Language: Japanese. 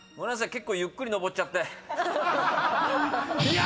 結構ゆっくり登っちゃって。